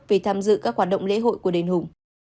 về tham dự các hoạt động lễ hội của đền hùng